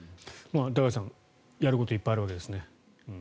高橋さん、やることがいっぱいあるわけですね。